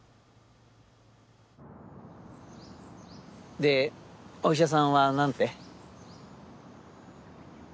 でお医者さんはなんて？